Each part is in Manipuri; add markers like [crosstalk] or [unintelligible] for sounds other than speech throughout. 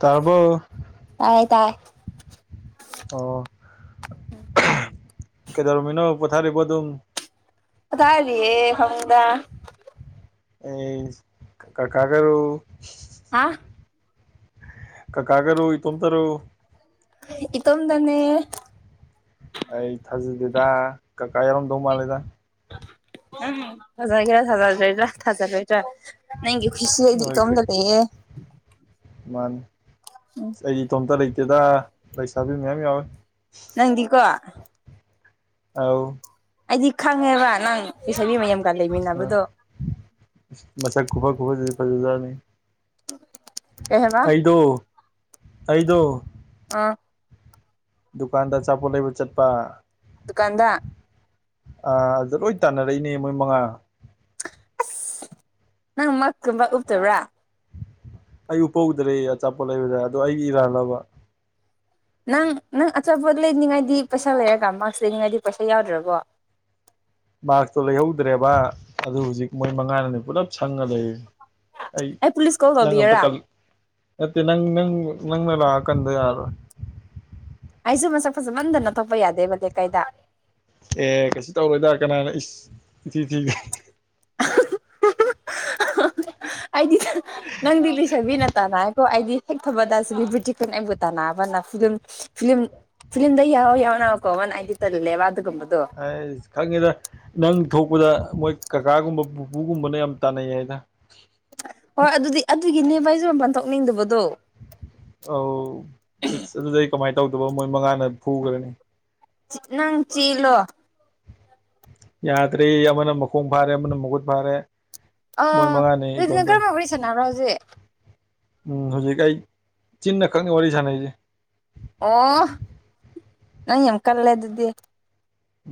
ꯇꯥꯔꯕꯣ ꯇꯥꯏ ꯇꯥꯏ ꯑꯣ ꯀꯩꯗꯧꯔꯃꯤꯅꯣ ꯄꯣꯊꯥꯔꯤꯕ ꯑꯗꯨꯝ ꯑ ꯇꯔꯤꯑꯦ ꯍꯪꯗ [unintelligible] ꯑꯩ ꯀꯀꯥꯒꯔ ꯀꯥꯀꯥꯒꯥꯔꯣ ꯏꯇꯣꯟꯇꯔꯣ ꯏꯇꯣꯝꯗꯅꯦ ꯑꯩ ꯊꯥꯖꯗꯦꯗ ꯀꯀꯥ ꯌꯥꯎꯔꯝꯗꯧ ꯃꯥꯜꯂꯦꯗ ꯖ ꯊꯖ꯭ꯔ ꯊꯥꯖꯔꯣꯏꯗ꯭ꯔꯥ ꯅꯪꯒꯤ [unintelligible] ꯃꯥꯅ ꯎꯝ ꯑꯩꯗꯤ ꯏꯇꯣꯝꯇ ꯂꯩꯇꯦꯗ ꯂꯩꯁꯥꯕꯤ ꯃꯌꯥꯝ ꯌꯥꯎꯋꯦ ꯅꯪꯗꯤꯀꯣ ꯑꯥꯎ ꯑꯩꯗꯤ ꯈꯪꯉꯦꯕ ꯅꯪ ꯂꯩꯁꯥꯕꯤ ꯃꯌꯥꯝꯒ ꯂꯩꯃꯤꯟꯅꯕꯗꯣ ꯃꯁꯛ ꯈꯨꯕ ꯈꯨꯕꯖ ꯐꯖꯖꯥꯠꯅꯤ ꯀꯩ ꯍꯥꯏꯕ ꯑꯩꯗꯣ ꯑꯩꯗꯣ ꯑꯥ ꯗꯨꯀꯥꯟꯗ ꯑꯆꯥꯄꯣꯠ ꯂꯩꯕ ꯆꯠꯄ ꯗꯨꯀꯥꯟꯗ ꯑ ꯑꯗꯨꯗ ꯂꯣꯏ ꯇꯥꯟꯅꯔꯛꯏꯅꯦ ꯃꯣꯏ ꯃꯉꯥ ꯑꯁ ꯅꯪ ꯃꯛ ꯀꯨꯝꯕꯥ ꯎꯞꯇꯕ꯭ꯔꯥ ꯑꯩ ꯎꯄꯧꯗ꯭ꯔꯦ ꯑꯆꯥꯄꯣꯠ ꯂꯩꯕꯗ ꯑꯗꯣ ꯑꯩꯒꯤ ꯏꯔꯥꯟꯂꯕ ꯅꯪ ꯅꯪ ꯑꯆꯥꯄꯣꯠ ꯂꯩꯅꯤꯡꯉꯥꯏꯗꯤ ꯄꯩꯁꯥ ꯂꯩꯔꯒ ꯃꯥꯛꯁ ꯂꯩꯅꯤꯡꯉꯥꯏꯗꯤ ꯄꯩꯁꯥ ꯌꯥꯎꯗ꯭ꯔꯕꯣ ꯃꯁꯇꯣ ꯂꯩꯍꯧꯗ꯭ꯔꯦꯕ ꯑꯗꯨ ꯍꯧꯖꯤꯛ ꯃꯣꯏ ꯃꯉꯥꯅꯅꯤ ꯄꯨꯜꯂꯞ ꯁꯪꯉ ꯂꯩ ꯑꯩ ꯄꯨꯂꯤꯁ ꯀꯣꯜ ꯅꯪ ꯑꯝꯇ ꯇꯧꯕꯤꯌꯔꯥ ꯀꯜ ꯅꯠꯇꯦ ꯅꯪꯪ ꯅꯪ ꯅꯪꯅ ꯂꯥꯛꯑ ꯀꯟꯗ ꯌꯥꯔꯔꯣꯏ ꯑꯩꯁꯨ ꯃꯁꯛ ꯐꯖꯃꯟꯗꯅ ꯊꯣꯛꯄ ꯌꯥꯗꯦꯕ ꯂꯩꯀꯥꯏꯗ ꯑꯦ ꯀꯩꯁꯨ ꯇꯧꯔꯣꯏꯗꯔꯦ ꯀꯅꯥꯅ ꯏꯁ ꯏꯊꯤꯒ ꯊꯤꯒꯩ ꯑꯗꯤ ꯅꯪꯗꯤꯗꯤ ꯂꯩꯁꯕꯤꯅ ꯇꯥꯟꯅꯩꯀꯣ ꯑꯩꯗꯤ ꯍꯦꯛ ꯊꯣꯛꯄꯗ ꯁꯦꯂꯤꯕꯔ꯭ꯤꯇꯤ ꯈꯣꯏꯅꯥ ꯑꯩꯕꯨ ꯇꯥꯟꯅꯥꯕꯅ ꯐꯤꯂꯝ ꯐꯤꯂꯝ ꯐꯤꯂꯝꯗ ꯌꯥꯎ ꯌꯥꯎꯅꯀꯣ ꯋꯥꯟ ꯍꯥꯏꯗ ꯇꯔꯂꯦ ꯋꯥ ꯑꯗꯨꯒꯝꯕꯗꯨ ꯑꯩ ꯈꯪꯉꯦꯗ ꯅꯪ ꯊꯣꯛꯄꯗ ꯃꯣꯏ ꯀꯀꯥꯒꯨꯝꯕ ꯄꯨꯄꯨꯒꯨꯝꯕꯅ ꯌꯥꯝ ꯇꯥꯟꯅꯩ ꯍꯥꯏꯅ ꯍꯣꯏ ꯑꯗꯨꯗꯤ ꯑꯗꯨꯒꯤꯅꯦꯚ ꯑꯩꯖꯣꯔꯄꯥꯟ ꯊꯣꯛꯣꯛꯅꯤꯡꯗꯕꯗꯣ ꯑꯧ ꯑꯩꯁ ꯑꯗꯨꯗꯩ ꯀꯃꯥꯏꯅ ꯇꯧꯗꯕ ꯃꯣꯏ ꯃꯉꯥꯅ ꯐꯨꯈ꯭ꯔꯅꯤ ꯅꯪ ꯆꯦꯜꯂꯣ ꯌꯥꯗ꯭ꯔꯦ ꯑꯃꯅ ꯃꯈꯣꯡ ꯐꯥꯔꯦ ꯑꯃꯅ ꯃꯈꯨꯠ ꯐꯥꯔꯦ ꯃꯣꯏ ꯑꯥ ꯃꯉꯥꯅꯦ ꯑꯗꯨꯗꯤ ꯅꯪ ꯏꯇꯣꯝꯇ ꯀꯔꯝꯝꯕ ꯋꯥꯔꯤ ꯁꯥꯟꯅꯕ꯭ꯔꯣ ꯍꯧꯖꯤꯛ ꯎꯝ ꯍꯧꯖꯤꯛ ꯑꯩ ꯆꯤꯟꯅ ꯈꯛꯅꯤ ꯋꯥꯔꯤ ꯁꯥꯟꯅꯔꯤꯁꯦ ꯑꯣ ꯅꯪ ꯌꯥꯝ ꯀꯜꯂꯦ ꯑꯗꯨꯗꯤ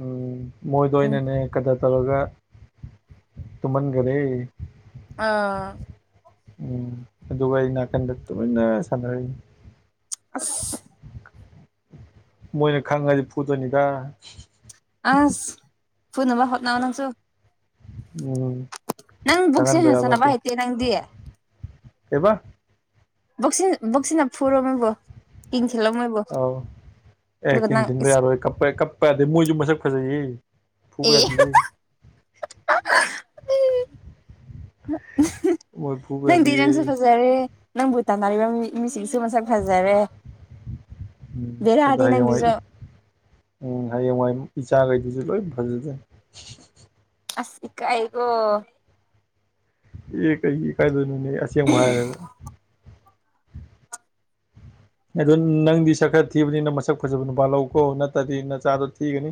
ꯎꯝ ꯃꯣꯏꯗꯣ ꯎꯝ ꯑꯩꯅꯅꯦ ꯀꯗꯔ ꯇꯧꯔꯒ ꯇꯨꯃꯟꯒꯔꯦ ꯑꯥ ꯎꯝ ꯑꯗꯨꯒ ꯑꯩ ꯅꯀꯟꯗ ꯇꯨꯃꯤꯟꯅ ꯁꯥꯟꯅꯔꯤꯅꯦ ꯑꯁ ꯃꯣꯏꯅ ꯈꯪꯉꯗꯤ ꯐꯨꯗꯣꯏꯅꯤꯗ ꯑꯁ ꯐꯨꯅꯕ ꯍꯣꯠꯅꯧ ꯅꯪꯁꯨ ꯎꯝ ꯅꯪ ꯕꯨꯛꯁꯦ ꯆꯅꯥꯕ ꯍꯥꯏꯇꯦ ꯅꯪꯗꯤ ꯀꯩꯕꯥ ꯕꯣꯛꯁꯤꯟ ꯕꯣꯀꯁꯤꯡꯅ ꯐꯨꯔꯣ ꯃꯣꯏꯕꯨ ꯀꯤꯟ ꯊꯤꯂꯣ ꯃꯣꯏ ꯑꯎ ꯑꯦ ꯇꯤꯟ ꯊꯤꯟꯕ ꯌꯥꯔꯣꯏ ꯀꯞꯄ ꯌꯥꯗꯦ ꯃꯣꯏꯁꯨ ꯃꯁꯛ ꯐꯖꯩꯌꯦ ꯐꯨꯕ ꯑꯦ ꯌꯥꯗꯤꯌꯦ [unintelligible] ꯃꯣꯏ ꯐꯨꯕ ꯅꯪꯗꯤ ꯅꯪꯁꯨ ꯌꯥꯗꯤꯌꯦ ꯐꯖꯔꯦ ꯅꯪꯕꯨ ꯇꯥꯟꯅꯔꯤꯕ ꯃꯤ ꯃꯤꯁꯤꯡꯁꯨ ꯃꯁꯛ ꯐꯖꯔꯦ ꯎꯝ ꯑꯗꯣ ꯕꯦꯔꯥꯅꯤ ꯅꯪꯒꯤꯖꯨ ꯍꯌꯦꯡꯋꯥꯏ ꯎꯝ ꯍꯌꯦꯡꯋꯥꯏ ꯏꯆꯥꯈꯩꯗꯨꯁꯨ ꯂꯣꯏ ꯐꯖꯗꯦ ꯑꯁ ꯏꯀꯥꯏꯀꯣ ꯑꯦ ꯀꯩꯒꯤ ꯏꯀꯥꯎꯗꯨꯏꯅꯣ ꯑꯁꯦꯡꯕ ꯍꯥꯏꯔꯒ ꯑꯗꯣ ꯅꯪꯗꯤ ꯁꯛ ꯈꯔ ꯊꯤꯕꯅꯤꯅ ꯃꯁꯛ ꯐꯖꯕ ꯅꯨꯄꯥꯜ ꯂꯧꯀꯣ ꯅꯠꯇ꯭ꯔꯗꯤ ꯅꯆꯥꯗꯣ ꯊꯤꯒꯅꯤ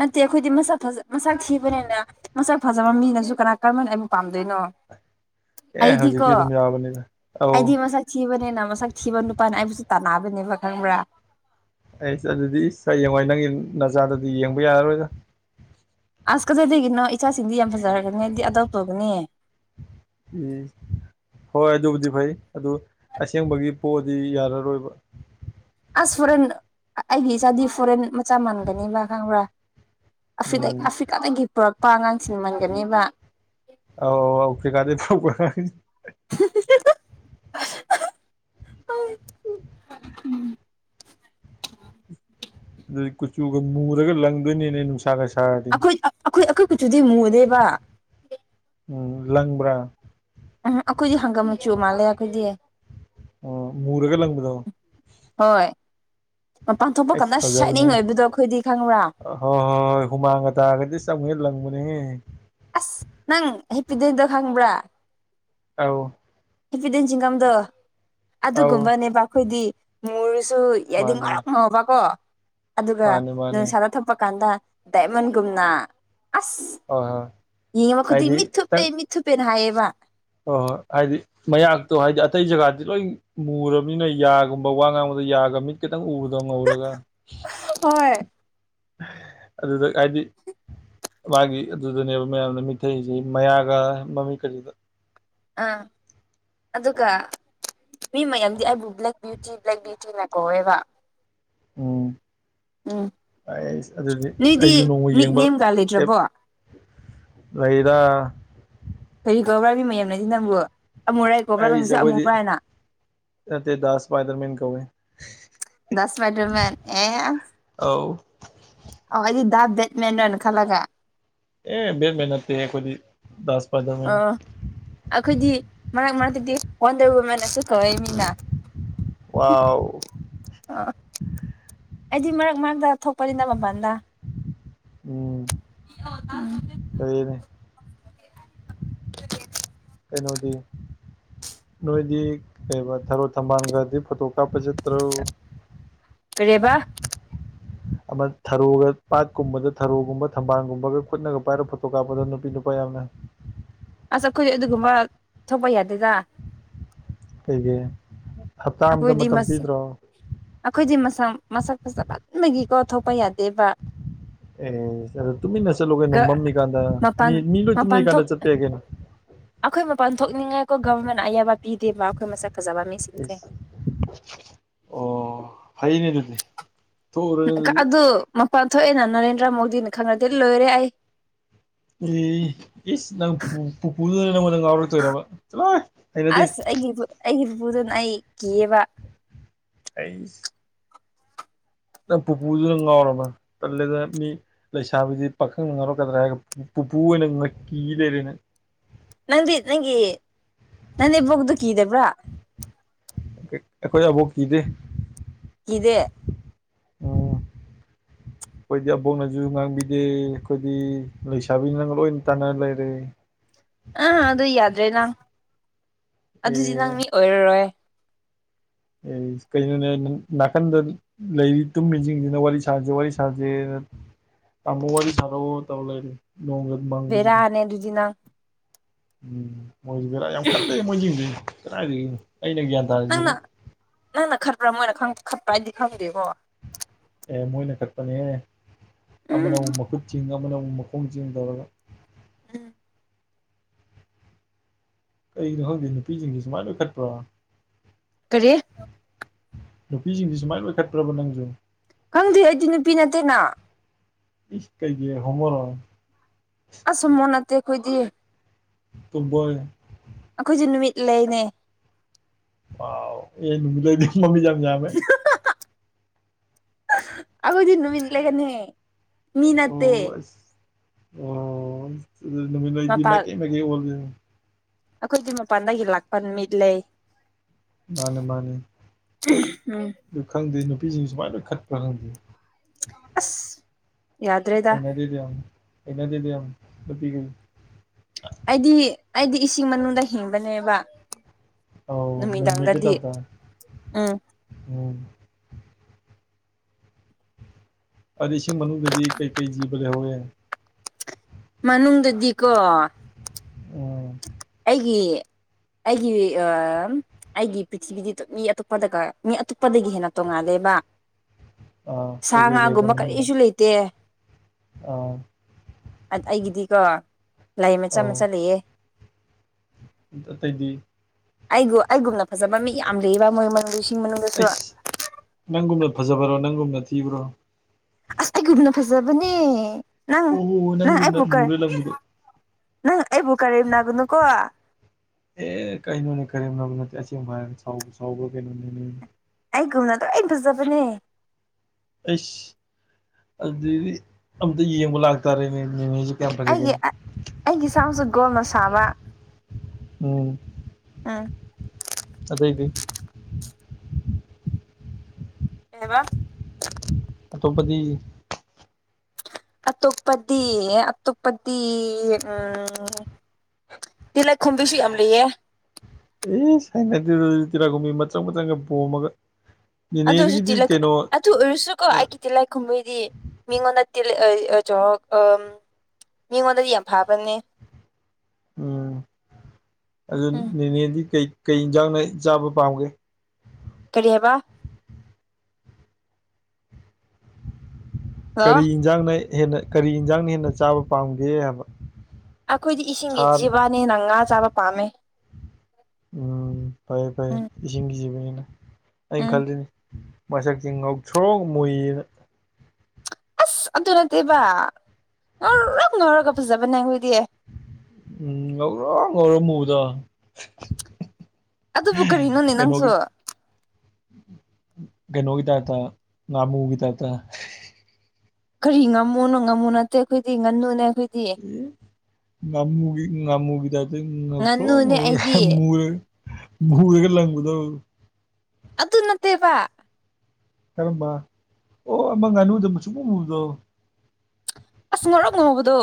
ꯅꯠꯇꯦ ꯑꯩꯈꯣꯏꯗꯤ ꯃꯁ ꯐꯖ ꯃꯁꯛ ꯊꯤꯕꯅꯤꯅ ꯃꯁꯛ ꯐꯖꯕ ꯃꯤꯅꯁꯨ ꯀꯅꯥ ꯀꯔꯝꯍꯥꯏꯅ ꯑꯩꯕꯨ ꯄꯥꯝꯗꯣꯏꯅꯣ ꯑꯦ ꯑꯩꯗꯤꯀꯣ ꯍꯧꯖꯤꯛꯇꯤ ꯑꯗꯨꯝ ꯌꯥꯕꯅꯤꯗ ꯑꯩꯗꯤ ꯑꯧ ꯃꯁꯛ ꯊꯤꯕꯅꯤꯅ ꯃꯁꯛ ꯊꯤꯕ ꯅꯨꯄꯥꯅ ꯑꯩꯕꯨꯁꯨ ꯇꯥꯟꯕꯤꯅꯤꯕꯥ ꯈꯪꯕ꯭ꯔꯥ ꯑꯩ ꯑꯗꯨꯗꯤ ꯏꯁ ꯍꯌꯦꯡꯋꯥꯏ ꯅꯪꯒꯤ ꯅꯖꯥꯗꯨꯗꯤ ꯌꯦꯡꯕ ꯌꯥꯔꯔꯣꯏꯗ ꯑꯁ ꯀꯖꯩꯗꯒꯤꯅꯣ ꯏꯆꯥꯁꯤꯡꯗꯤ ꯌꯥꯝ ꯐꯖꯔꯒꯅꯤ ꯑꯗꯨꯗꯤ ꯑꯗꯧ ꯇꯧꯒꯅꯤ ꯏꯁ ꯍꯣꯏ ꯑꯗꯨꯕꯨꯗꯤ ꯐꯩ ꯑꯗꯨ ꯑꯁꯦꯡꯕꯒꯤ ꯄꯣꯑꯗꯤ ꯌꯥꯔꯔꯣꯏꯕ ꯑꯁ ꯐꯣꯔꯦꯟ ꯑꯩꯒꯤ ꯏꯆꯥꯗꯤ ꯐꯣꯔꯦꯟ ꯃꯆꯥ ꯃꯥꯟꯒꯅꯤꯕ ꯈꯪꯕ꯭ꯔꯥ ꯑꯐ ꯎꯝ ꯑꯐꯤꯀꯥꯗꯒꯤ ꯄꯨꯔꯛꯄ ꯑꯉꯥꯡꯁꯤꯡ ꯃꯟꯒꯅꯦꯕ ꯑꯥꯎ ꯑꯐꯔ꯭ꯤꯀꯗꯩꯩ ꯄꯨꯔꯛꯄꯥ ꯑꯉꯥꯡꯁꯤꯡ ꯍ ꯎꯝ ꯑꯗꯨꯗꯩꯩ ꯀꯨꯆꯨꯒ ꯃꯨꯔꯒ ꯂꯪꯗꯣꯏꯅꯤꯅꯦ ꯅꯨꯡ ꯇꯒꯥꯁꯔ ꯑꯩꯈꯣꯏ ꯑꯩꯈꯣꯏ ꯑꯩꯈꯣꯏ ꯀꯆꯨꯗꯤ ꯃꯨꯗꯦꯕ ꯎꯝ ꯂꯪꯕ꯭ꯔꯥ ꯎꯝ ꯑꯩꯈꯣꯏꯗꯤ ꯍꯪꯒꯥꯝ ꯃꯆꯨ ꯃꯥꯜꯂꯦ ꯑꯩꯈꯣꯏꯗꯤ ꯑꯣ ꯃꯨꯔꯒ ꯂꯪꯕꯗꯣ ꯍꯣꯏ ꯃꯄꯥꯟ ꯊꯣꯛꯄ ꯑꯩꯁ ꯀꯥꯟꯗ ꯁꯥꯏꯅꯤꯡ ꯐꯖꯕꯅꯦ ꯂꯩꯕꯗꯣ ꯑꯩꯈꯣꯏꯗꯤ ꯈꯪꯕ꯭ꯔꯥ ꯍꯣꯏ ꯍꯣꯏ ꯍꯣꯏ ꯍꯨꯃꯥꯡꯒ ꯇꯥꯔꯒꯗꯤ [unintelligible] ꯂꯪꯕꯅꯦꯍꯦ ꯑꯁ ꯅꯪ ꯍꯦꯄꯤꯗꯦꯟꯠꯇꯣ ꯈꯪꯕ꯭ꯔꯥ ꯑꯥꯎ ꯍꯦꯐꯗꯦꯟ ꯆꯤꯡꯒꯝꯗꯣ ꯑꯧ ꯑꯗꯨꯒꯨꯝꯕꯅꯦꯕ ꯑꯩꯈꯣꯏꯗꯤ ꯃꯨꯔꯁꯨ ꯌꯥꯏꯗꯤ ꯃꯥꯅꯦ ꯉꯥꯎꯔꯛ ꯉꯕꯀꯣ ꯑꯗꯨꯒ ꯃꯥꯅꯦ ꯃꯥꯅꯦ ꯅꯨꯡꯁꯥꯗ ꯊ ꯊꯣꯛꯄ ꯀꯥꯟꯗ ꯗꯥꯏꯃꯟꯒꯨꯝꯅ ꯑꯁ ꯑ ꯍꯣꯏ ꯌꯦꯡꯉꯨꯕ ꯈꯨꯗꯡ ꯍꯥꯏꯗꯤ ꯃꯤꯠ ꯊꯨꯞꯄꯦ ꯃꯤꯠ ꯊꯨꯞꯄꯦꯅ ꯍꯥꯏꯌꯦꯕ ꯑꯣ ꯍꯣ ꯍꯥꯏꯗꯤ ꯃꯌꯥꯛꯇꯣ ꯍꯥꯏꯗꯤ ꯑꯇꯩ ꯖꯒꯥꯗꯤ ꯂꯣꯏ ꯃꯨꯔꯕꯅꯤꯅ ꯌꯥꯒꯨꯝꯕ ꯋꯥ ꯉꯥꯡꯕꯗ ꯌꯥꯒ ꯃꯤꯠ ꯈꯤꯇꯪ ꯎꯔꯗꯧꯅ ꯉꯧꯔꯒ ꯍꯣꯏ ꯑꯗꯨꯗ ꯍꯥꯏꯗꯤ ꯃꯥꯒꯤ ꯑꯗꯨꯗꯅꯦꯕ ꯃꯌꯥꯝꯅ ꯃꯤꯊꯛꯏꯁꯦ ꯃꯌꯥꯒ ꯃꯃꯤꯠꯀꯥꯁꯤꯗ ꯑꯥ ꯑꯗꯨꯒ ꯃꯤ ꯃꯌꯥꯝꯗꯤ ꯑꯩꯕꯨ ꯕ꯭ꯂꯦꯛ ꯕ꯭ꯌꯨꯇꯤ ꯕ꯭ꯂꯦꯛ ꯕ꯭ꯌꯨꯇꯤꯅ ꯀꯧꯋꯦꯕ ꯎꯝ ꯎꯝ ꯑꯩꯁ ꯑꯗꯨꯗꯤ ꯅꯣꯏꯗꯤ ꯑꯩꯁꯨ ꯅꯣꯡꯃ ꯌꯦꯡꯕ ꯅꯤꯛꯅꯦꯝꯒ ꯀꯞ ꯂꯩꯇ꯭ꯔꯕꯣ ꯂꯩꯗ ꯀ ꯀꯧꯕ꯭ꯔꯥ ꯃꯤ ꯃꯌꯥꯝ ꯅꯁꯤ ꯅꯪꯕꯨ ꯑꯃꯨꯔꯥꯏ ꯀꯧꯕ꯭ꯔꯥ ꯑꯩꯁꯦ ꯅꯪꯁꯨ ꯑꯩꯈꯣꯏꯗꯤ ꯑꯃꯨꯕ꯭ꯔ ꯍꯥꯏꯅ ꯅꯠꯇꯦ ꯗꯥ ꯏꯁꯄꯥꯏꯗꯔꯃꯦꯟ ꯀꯧꯋꯦ ꯗꯁ ꯃꯃꯦꯟ ꯑꯦ ꯑꯧ ꯑꯣ ꯑꯩꯗꯤ ꯗꯥ ꯕꯦꯠꯃꯦꯟꯠꯔꯅ ꯈꯜꯂꯒ ꯑꯦ ꯦꯠ ꯃꯦꯍꯟꯠꯈꯣꯏꯗꯤ ꯗ ꯄꯥꯗ ꯑꯣ ꯑꯩꯈꯣꯏꯗꯤ ꯃꯔꯛ ꯃꯔꯛꯇꯗꯤ ꯑꯣꯟꯗꯔ ꯋꯨꯃꯦꯦꯟꯟꯅꯁꯨ ꯀꯧꯋꯛꯏ ꯃꯤꯅ ꯋꯥꯎ ꯑ ꯑꯩꯗꯤ ꯃꯔꯛ ꯃꯔꯛꯇ ꯊꯣꯛꯄꯅꯤꯗ ꯃꯄꯥꯜꯗ ꯎꯝ ꯎꯝ ꯍꯅꯦ ꯀꯩꯅꯣꯗꯤ ꯅꯣꯏꯗꯤ ꯀꯩꯕ ꯊꯔꯣ ꯊꯝꯕꯥꯜꯒꯗꯤ ꯐꯣꯇꯣ ꯀꯥꯞꯄ ꯆꯠꯇ꯭ꯔꯣ ꯀꯔꯤꯌꯦꯕ ꯑꯃ ꯊꯔꯣꯒ ꯄꯥꯠꯀꯨꯝꯕꯗ ꯊꯔꯣꯒꯨꯝꯕ ꯊꯝꯕꯥꯜꯒꯨꯝꯕꯒ ꯈꯨꯠꯅꯒ ꯄꯥꯏꯔꯒ ꯐꯣꯇꯣ ꯀꯥꯞꯄꯗ ꯅꯨꯄꯤ ꯅꯨꯄꯥ ꯌꯥꯝꯅ ꯑꯁ ꯑꯩꯈꯣꯏ ꯑꯗꯨꯒꯨꯝꯕ ꯊꯣꯛꯄ ꯌꯥꯗꯦꯗ ꯀꯩꯒꯤ ꯍꯞꯇꯥ ꯑꯝꯗ ꯈꯣꯏꯗꯤ ꯃꯇꯝ ꯃꯁꯁꯦ ꯄꯤꯗ꯭ꯔꯣ ꯑꯩꯈꯣꯏꯗꯤ ꯃꯁꯝ ꯃꯁꯛ ꯐꯖꯥꯃꯟꯕꯒꯤꯀꯣ ꯊꯣꯛꯄ ꯌꯥꯗꯦꯕ ꯑꯦ ꯑꯗꯨ ꯇꯨꯃꯤꯟꯅ ꯆꯠꯂꯨ ꯀꯩꯅꯣ ꯃꯝꯃꯤꯀꯥꯟꯗ ꯃꯤ ꯃꯄꯥꯟ ꯃꯤ ꯂꯣꯏ ꯃꯄꯥꯟ ꯊꯣꯛ ꯇꯨꯝꯅꯔꯤꯀꯥꯟꯗ ꯆꯠꯄ ꯌꯥꯏ ꯀꯩꯅꯣ ꯑꯩꯈꯣꯏ ꯃꯄꯥꯟ ꯊꯣꯛꯅꯤꯡꯉꯥꯏꯀꯣ ꯒꯕꯔꯃꯦꯟꯅ ꯑꯌꯥꯕ ꯄꯤꯗꯦꯕ ꯑꯩꯈꯣꯏ ꯃꯁꯛ ꯐꯖꯕ ꯃꯤꯁꯦ ꯑꯣ ꯐꯩꯅꯦ ꯑꯗꯨꯗꯤ ꯊꯣꯔꯎꯔꯣ ꯑꯗꯨꯗꯤ ꯑꯗꯨ ꯃꯄꯥꯟ ꯊꯣꯛꯑꯦꯅ ꯅꯔꯦꯟꯗ꯭ꯔ ꯃꯣꯗꯤꯅ ꯈꯪꯉꯥꯗꯤ ꯂꯣꯏꯔꯦ ꯑꯩ ꯑꯦ ꯏꯁ ꯅꯪ ꯄꯨꯄꯨꯗꯨꯅ ꯅꯥꯉꯣꯟꯗ ꯉꯥꯎꯔꯛꯇꯣꯏꯔꯕ ꯆꯂꯣ ꯑꯁ ꯑꯩꯒꯤ ꯑꯩꯒꯤ ꯄꯨꯄꯨꯗꯨꯅ ꯑꯩ ꯀꯤꯌꯦꯕ ꯑꯩ ꯅꯪ ꯄꯨꯄꯨꯗꯨꯅ ꯉꯥꯎꯔꯕ ꯇꯜꯂꯦꯗ ꯃꯤ ꯂꯩꯁꯥꯕꯤꯗꯤ ꯄꯥꯈꯪꯅ ꯉꯥꯎꯔꯛꯀꯗ꯭ꯔꯥ ꯍꯥꯏꯔꯒ ꯄꯨꯄꯨ ꯑꯣꯏꯅ ꯀꯤ ꯂꯩꯔꯦ ꯅꯪ ꯅꯪꯗꯤ ꯅꯪꯒꯤ ꯅꯥꯅꯦꯝꯕꯣꯛꯇꯣ ꯀꯤꯗꯕ꯭ꯔꯥ ꯑꯩꯈꯣꯏ ꯑꯕꯣꯛ ꯀꯤꯗꯦ ꯀꯤꯗꯦ ꯎꯝ ꯑꯩꯈꯣꯏꯗꯤ ꯑꯕꯣꯛꯅꯁꯨ ꯉꯥꯡꯕꯤꯗꯦ ꯑꯩꯈꯣꯏꯗꯤ ꯂꯩꯁꯥꯕꯤꯅ ꯅꯪ ꯂꯣꯏꯅ ꯇꯥꯟꯅꯔ ꯂꯩꯔꯦ ꯑꯥ ꯑꯗꯨ ꯌꯥꯗ꯭ꯔꯦ ꯅꯪ ꯑꯗꯨꯗꯤ ꯅꯪ ꯑꯦ ꯃꯤ ꯑꯣꯏꯔꯔꯣꯏ ꯑꯦ ꯀꯩꯅꯩꯅꯣꯅꯦ ꯅꯥꯀꯟꯗ ꯂꯩꯔꯤ ꯇꯨꯝꯃꯤꯁꯤꯡꯁꯤꯅ ꯋꯥꯔꯤ ꯁꯥꯖꯦ ꯋꯥꯔꯤ ꯁꯥꯖꯦꯅ ꯇꯝꯕ ꯋꯥꯔꯤꯗꯤ ꯁꯔꯕ ꯑꯃ ꯇꯧꯂꯔ ꯅ ꯕꯦꯔꯥꯅꯦ ꯑꯗꯨꯗꯤ ꯅꯪ ꯎꯝ ꯃꯣꯏꯁꯨ ꯕꯦꯔꯥ ꯌꯥꯝ ꯈꯠꯂꯦ ꯃꯣꯏꯁꯤꯡꯁꯤ ꯀꯗꯥꯥꯏꯗ ꯑꯩꯅ ꯒ꯭ꯌꯥꯟ ꯅꯪꯅ ꯇꯥꯔꯤꯁꯤꯒ ꯅꯪꯅ ꯈꯠꯄ꯭ꯔꯥ ꯃꯣꯏꯅ ꯈꯠꯄ꯭ꯔꯥ ꯍꯥꯏꯗꯤ ꯈꯪꯗꯦꯀꯣ ꯑꯦ ꯃꯣꯏꯅ ꯀꯛꯄꯅꯦꯍꯦ ꯎꯝ ꯑꯃꯅꯧꯕ ꯃꯈꯨꯠꯁꯤꯡꯤꯡ ꯑꯃꯅꯧꯕ ꯃꯈꯣꯡꯁꯤꯡꯤꯡ ꯇꯧꯔꯒ ꯎꯝ ꯀꯩꯒꯤꯅꯣ ꯈꯪꯗꯦ ꯅꯨꯄꯤꯁꯤꯡꯁꯦ ꯁꯨꯃꯥꯏꯅ ꯂꯣꯏꯅ ꯈꯠꯄ꯭ꯔꯣ ꯀꯔꯤꯠ ꯅꯨꯄꯤꯁꯤꯡꯁꯤ ꯁꯨꯃꯥꯏꯅ ꯂꯣꯏꯈꯠꯇ꯭ꯔꯕ ꯅꯪꯁꯨ ꯈꯪꯗꯦ ꯑꯩꯗꯤ ꯅꯨꯄꯤ ꯅꯠꯇꯦꯅ ꯏꯁ ꯀꯩꯒꯤ ꯍꯣꯃꯣꯔꯣ ꯑꯁꯨꯝ ꯃꯨ ꯅꯠꯇꯦ ꯑꯩꯈꯣꯏꯗꯤ ꯇꯕꯣꯏ ꯑꯩꯈꯣꯏꯁꯨꯦ ꯅꯨꯃꯤꯠ ꯂꯩꯅꯦ ꯑꯥꯎ ꯑꯦꯐ ꯕꯤꯗꯗꯤ ꯃꯃꯤꯠ ꯌꯥꯝꯝꯦ ꯑꯈꯗꯤꯨ ꯃꯤ ꯂꯩꯒꯅꯤ ꯃꯤ ꯅꯠꯇꯦ ꯑꯣ ꯑꯁ ꯑꯣ ꯅꯨꯃꯤ ꯂꯗꯤ ꯃ ꯃꯄꯥꯟ ꯀ ꯃ ꯀꯩꯣꯜ ꯑꯩꯈꯣꯏꯗꯤ ꯃꯄꯥꯟꯗꯒꯤ ꯂꯥꯛꯄ ꯅꯨꯃꯤꯠ ꯂꯩ ꯃꯥꯅꯤ ꯃꯥꯅꯤ ꯎꯝ ꯑꯗꯨ ꯈꯪꯗꯦ ꯅꯨꯄꯤꯁꯤꯡ ꯁꯨꯃꯥꯏꯅ ꯈꯠꯄ꯭ꯔꯥ ꯈꯪꯗꯦ ꯑꯁ ꯌꯥꯗ꯭ꯔꯦꯗ ꯑꯩꯅꯗꯗ ꯌꯥꯝꯨ ꯑꯩꯅꯗꯗꯨ ꯂ ꯄꯤꯒ ꯑꯩꯗꯤ ꯑꯩꯗꯤ ꯏꯁꯤꯡ ꯃꯅꯨꯡꯗ ꯍꯤꯡꯕꯅꯦꯕ ꯑꯧ ꯅꯨꯃꯤꯗꯥꯡꯗꯗꯤ ꯎꯝ ꯑꯣ ꯑꯗꯨꯗꯤ ꯏꯁꯤꯡ ꯃꯅꯨꯡꯗꯗꯤ ꯀꯩꯀꯩ ꯖꯤꯕ ꯂꯩꯍꯧꯋꯦ ꯃꯥꯅꯨꯡꯗꯗꯤꯀꯣ ꯑꯣ ꯑꯩꯒꯤ ꯑꯩꯒꯤ ꯑꯩꯒꯤ ꯄ꯭ꯔꯤꯊꯤꯕꯤꯗꯤ ꯃꯤ ꯑꯇꯣꯞꯄꯗꯒ ꯃꯤ ꯑꯇꯣꯞꯄꯗꯒꯤ ꯍꯦꯟꯅ ꯇꯣꯡꯉꯥꯜꯂꯦꯕ ꯑꯥ ꯁꯥ ꯀꯩꯀꯩ ꯂꯩꯕ ꯉꯥꯒꯨꯝꯕ ꯃꯅꯨꯡꯗ ꯀꯔꯤꯁꯨ ꯂꯩꯇꯦ ꯑꯥ ꯑꯩꯒꯤꯗꯤꯀꯣ ꯂꯥꯏ ꯃꯆꯥ ꯑꯧ ꯃꯆꯥ ꯂꯩꯌꯦꯦ ꯑꯇꯩꯗꯤ ꯑꯩꯒ ꯑꯩꯒꯨꯝꯅ ꯐꯥꯖꯕ ꯃꯤ ꯌꯥꯝ ꯂꯩꯌꯦꯕ ꯃꯣꯏꯁꯤꯡꯒꯤ ꯃꯅꯨꯡꯗꯁꯨ ꯑꯩꯁ ꯅꯪꯒꯨꯝꯅ ꯐꯖꯕ꯭ꯔꯣ ꯅꯪꯒꯨꯝꯅ ꯊꯤꯕ꯭ꯔꯣ ꯑꯁ ꯑꯩꯒꯨꯝꯅ ꯐꯖꯕꯅꯦ ꯅꯪ ꯑꯣ ꯅꯪ ꯅꯪꯒꯨꯝꯅ ꯑꯩꯕꯨꯀꯔ ꯃꯨꯔ ꯂꯪꯕꯗꯣ ꯅꯪ ꯑꯩꯕꯨ ꯀꯔꯦꯝ ꯅꯥꯒꯅꯨꯀꯣ ꯑꯦ ꯀꯩꯅꯣꯅꯦ ꯀꯔꯤꯝꯅꯕ ꯅꯠꯇꯦ ꯑꯁꯦꯡꯕ ꯍꯥꯏ ꯁꯥꯎꯕ꯭ꯔ ꯀꯩꯅꯣꯅꯦꯅꯦ ꯑꯩ ꯨꯝꯅ ꯇ ꯑꯏ ꯄꯨꯖꯗꯅꯤ ꯑꯩꯁ ꯑꯗꯨꯗꯤ ꯑꯝꯇ ꯌꯦꯡꯕ ꯂꯥꯛꯇꯥꯔꯦꯅꯦ ꯅꯦꯅꯦ ꯑꯩꯒꯤ ꯑꯩꯒꯤ ꯏꯁꯥꯃꯛꯁꯨ ꯒꯣꯜꯅ ꯁꯥꯕ ꯎꯝ ꯑꯥ ꯑꯗꯩꯗꯤ ꯀꯕ ꯑꯇꯣꯄꯗꯤ ꯑ ꯇꯣꯞꯄꯗꯤ ꯑ ꯇꯣꯞꯄꯗꯤ ꯎꯝ ꯇꯤ ꯂꯥꯏꯈꯨꯝꯕꯤꯁꯨ ꯌꯥꯝ ꯂꯩꯌꯦ ꯑꯦ ꯁꯥꯏꯅꯗꯤ ꯇꯤꯔꯥꯈꯨꯝꯕꯤ ꯃꯆꯪ ꯃꯆꯪꯒ ꯄꯣꯝꯃꯒ ꯑꯗꯨꯗ ꯑꯣꯏꯁꯨ ꯅꯦꯅꯦꯗꯒꯤꯗꯤ ꯇꯤꯂꯛ ꯀꯩꯅꯣ ꯑꯗꯨ ꯎꯔꯁꯨꯀ ꯍꯥꯏꯀꯤ ꯇꯤꯂꯛ ꯀꯨꯝꯃꯣꯏꯗꯤ ꯃꯤꯉꯣꯟꯅ ꯆ ꯑ ꯃꯤꯉꯣꯟꯗꯗꯤ ꯌꯥꯝ ꯐꯥꯕꯅꯤꯅꯦ ꯎꯝ ꯑꯗꯨ ꯎꯝ ꯅꯦꯅꯦꯗꯤ ꯀꯩ ꯀꯩ ꯌꯦꯟꯖꯥꯡꯅ ꯆꯥꯕ ꯄꯥꯝꯒꯦ ꯀꯔꯤ ꯍꯥꯏꯕ ꯍꯜꯂꯣ ꯀꯔꯤ ꯏꯟꯁꯥꯡꯅ ꯍꯦꯟꯅ ꯀꯔꯤ ꯌꯦꯟꯁꯥꯡꯅ ꯍꯦꯟꯅ ꯆꯥꯕ ꯄꯥꯝꯒꯦ ꯍꯥꯏꯕ ꯑꯩꯈꯣꯏꯗꯤ ꯁꯥ ꯏꯁꯤꯡꯒꯤ ꯖꯤꯕꯥꯅꯤꯅ ꯉꯥ ꯆꯥꯕ ꯄꯥꯝꯃꯦ ꯎꯝ ꯐꯌꯦ ꯐꯩꯌꯦ ꯎꯝ ꯏꯁꯤꯡꯒꯤꯁꯤꯕꯅꯤꯅ ꯑꯩꯅ ꯎꯝ ꯈꯜꯂꯤꯜꯂꯤꯅꯤ ꯃꯁꯛꯁꯤ ꯉꯧꯊ꯭ꯔꯣꯛ ꯃꯨꯏ ꯑꯁ ꯑꯗꯨ ꯅꯠꯇꯦꯕ ꯉꯧꯔ ꯉꯧꯔꯒ ꯐꯖꯕꯅꯦ ꯑꯩ ꯍꯣꯏꯗꯤ ꯎꯝ ꯉꯧꯔ ꯉꯧꯔꯣ ꯃꯨꯗ ꯑꯗꯨꯕꯨ ꯀꯔꯤꯅꯣꯅꯦ ꯅꯪꯁꯨ ꯀꯩꯅꯩꯅꯣꯕꯤꯗ ꯇ ꯉꯃꯨ ꯎꯕꯤꯗ ꯇ ꯀꯔꯤ ꯉꯝꯃꯣꯅꯣ ꯉꯝꯃꯣ ꯅꯠꯇꯦ ꯑꯩꯈꯣꯏꯗꯤ ꯉꯟꯅꯨꯅꯦ ꯑꯩꯈꯣꯏꯗꯤ ꯉꯃꯨ ꯉꯥꯃꯨꯒꯤꯗ ꯑꯗꯨ ꯊ꯭ꯔꯣ ꯉꯥꯅꯨꯅꯦ ꯉꯔ ꯑꯩꯗꯤ ꯉꯃꯨꯔꯦ ꯗꯒ ꯂꯪꯒꯗ ꯑꯗꯨ ꯅꯠꯇꯦꯕ ꯀꯔꯝꯕ ꯑꯣ ꯑꯃ ꯉꯥꯅꯨꯗ ꯃ ꯁꯨꯄꯃꯨꯕꯗꯣ ꯑꯁ ꯉꯧꯔꯛ ꯉꯨꯍꯕꯗꯣ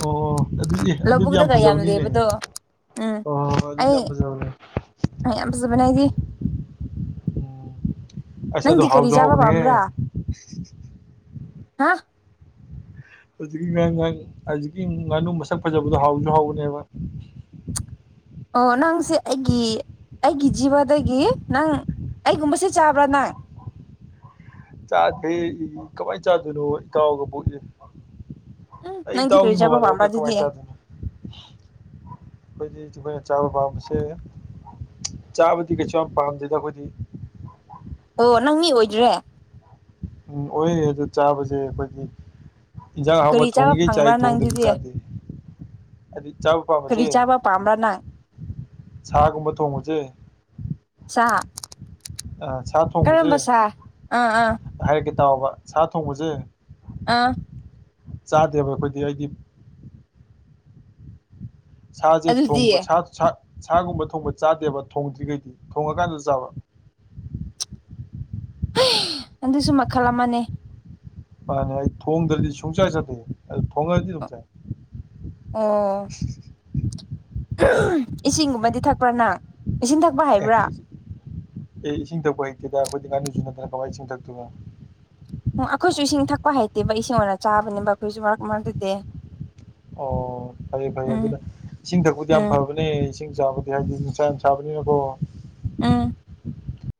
ꯑꯣ ꯑꯗꯨꯗꯤ ꯑꯗꯨꯗꯤ ꯌꯥꯝ ꯂꯧꯕꯨꯛꯗꯒ ꯐꯖꯕꯅꯤꯅꯦ ꯂꯩꯕꯗꯣ ꯑ ꯑꯗꯨ ꯑꯗꯨꯗꯤꯄꯖꯅ ꯃꯌꯥꯝ ꯐꯖꯕꯅꯦ ꯑꯩꯗꯤ ꯎꯝ ꯑꯁ ꯑꯗꯨ ꯅꯗꯤ ꯍꯥꯎꯁꯨ ꯀꯔꯤꯖꯕ ꯋꯥꯃꯔꯥ ꯍꯥꯎꯕꯅꯦꯍꯦ ꯍꯥ ꯍꯧꯖꯤꯛꯀꯤ ꯉꯥꯡ ꯍꯧꯖꯤꯛꯀꯤ ꯉꯥꯅꯨ ꯃꯁꯛ ꯐꯖꯕꯗꯣ ꯍꯥꯎꯁꯨ ꯍꯥꯎꯒꯅꯦꯕ ꯑꯣ ꯅꯪꯁꯦ ꯑꯩꯒꯤ ꯑꯩꯒꯤ ꯖꯤꯕꯗꯒꯤ ꯅꯪ ꯑꯩꯒꯨꯝꯕꯁꯦ ꯆꯥꯕ꯭ꯔꯥ ꯅꯪ ꯆꯥꯗꯔꯤ ꯀꯃꯥꯏꯟ ꯆꯥꯗꯣꯏꯅꯣ ꯏꯇꯥꯎꯒꯕꯨ ꯏ ꯑꯩ ꯅꯪꯗꯤ ꯀꯔꯤ ꯏꯇꯥꯎꯒꯤ ꯆꯥꯕ ꯃꯣꯕꯥꯜꯗ ꯄꯥꯝꯕ꯭ꯔꯥ ꯑꯣꯀꯦ ꯑꯗꯨꯗꯤ ꯀꯃꯥꯏꯅ ꯆꯥꯗꯅꯣ ꯎꯝ ꯀ ꯀꯅ ꯆꯥꯕ ꯄꯕꯁ ꯆꯥꯕꯗꯤ ꯀꯩꯁꯨ ꯌꯥꯝ ꯄꯥꯝꯗꯦꯗ ꯑꯩꯈꯣꯏꯗꯤ ꯑꯣ ꯅꯪ ꯃꯤ ꯑꯣꯏꯗ꯭ꯔꯦ ꯎꯝ ꯑꯣꯏꯔꯦ ꯑꯗꯨ ꯆꯥꯕꯁꯦ ꯑꯩꯈꯣꯏꯒꯤ ꯏꯟꯖꯥꯡ ꯍꯥꯎꯕ ꯀꯔꯤ ꯆꯥꯕ ꯊꯣꯡꯉꯤꯈꯩ ꯆꯥꯏ ꯐꯪꯕ꯭ꯔꯥ ꯊꯣꯡꯗꯗꯤ ꯅꯪꯗꯨꯗꯤ ꯆꯥꯗꯦ ꯍꯥꯏꯗꯤ ꯆꯥꯕ ꯄꯥꯝꯕꯁꯦ ꯀꯔꯤ ꯆꯥꯕ ꯄꯥꯝꯕ꯭ꯔꯥ ꯅꯪ ꯁꯥꯒꯨꯝꯕ ꯊꯣꯡꯕꯁꯦ ꯁꯥ ꯁꯥ ꯀꯔꯝꯕ ꯊꯣꯡꯕꯁꯦ ꯁꯥꯥ ꯑꯥ ꯑꯥ ꯍꯥꯏꯔꯛꯀꯦ ꯇꯥꯎꯕ ꯁꯥ ꯊꯣꯡꯕꯁꯦ ꯑꯥ ꯆꯥꯗꯦꯕ ꯑꯩꯈꯣꯏꯗꯤ ꯑꯩꯗꯤ ꯁꯥꯁꯦ ꯑꯗꯨꯗꯤ ꯊꯣꯡꯕ ꯁꯥꯒꯨꯝꯕ ꯊꯣꯡꯕ ꯆꯥꯗꯦꯕ ꯊꯣꯡꯗ꯭ꯔꯤꯈꯩꯗꯤ ꯊꯣꯡꯉꯀꯥꯟꯗ ꯆꯥꯕ ꯑꯗꯨꯁꯨ ꯃꯈꯜ ꯑꯃꯅꯦ ꯃꯥꯅꯦ ꯑꯩ ꯊꯣꯡꯗ꯭ꯔꯗꯤ ꯁꯨꯡꯆꯥꯏ ꯆꯠꯇꯦ ꯑꯗꯨ ꯊꯣꯡꯉꯗꯤ ꯑꯗꯨꯝ ꯆꯥꯏ ꯑꯣ ꯏꯁꯤꯡꯒꯨꯝꯕꯗꯤ ꯊꯛꯄ꯭ꯔꯅ ꯆꯤꯟ ꯊꯥꯛꯄ ꯑꯦ ꯏ ꯑꯦ ꯏꯁꯤꯡ ꯊꯛꯄ ꯍꯩꯇꯦꯗ ꯑꯩꯈꯣꯏꯗꯤ ꯉꯥꯅꯨꯁꯨ ꯅꯠꯇꯅ ꯀꯃꯥꯏꯅ ꯏꯁꯤꯡ ꯊꯛꯇꯣꯏꯅꯣ ꯎꯝ ꯑꯩꯈꯣꯏꯁꯨ ꯏꯁꯤꯡ ꯊꯛꯄ ꯍꯩꯇꯦꯕ ꯏꯁꯤꯡ ꯑꯣꯏꯅ ꯆꯥꯕꯅꯦꯕ ꯑꯩꯈꯣꯏꯁꯨ ꯃꯔꯛ ꯃꯔꯥꯡꯛꯇꯗꯦ ꯑꯣ ꯐꯩꯦ ꯐꯩꯦ ꯎꯝ ꯑꯗꯨꯅ ꯏꯁꯤꯡ ꯊꯛꯄꯨꯗꯤ ꯌꯥꯝ ꯎꯝ ꯐꯕꯅꯤ ꯏꯁꯤꯡ ꯆꯥꯕꯗꯤ ꯍꯥꯏꯗꯤ ꯅꯨꯡꯁꯥꯡ ꯌꯥꯝ ꯆꯥꯕꯅꯤꯅꯀꯣ ꯎꯝ